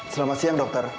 selamat siang dokter